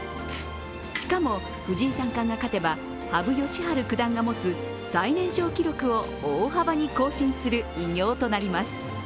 しかも、藤井三冠が勝てば羽生善治九段が持つ最年少記録を大幅に更新する偉業となります。